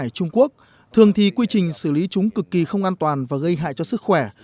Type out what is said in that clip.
các doanh nghiệp thu mua rác thải trung quốc thường thì quy trình xử lý chúng cực kỳ không an toàn và gây hại cho sức khỏe